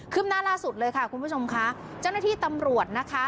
หน้าล่าสุดเลยค่ะคุณผู้ชมค่ะเจ้าหน้าที่ตำรวจนะคะ